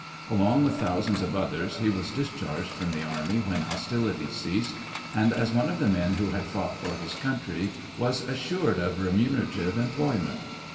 Along with thousands of others, he was discharged from the army when hostilities ceased, and as one of the men who had fought for his country was assured of remunerative employment.